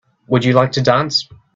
Would you like to dance?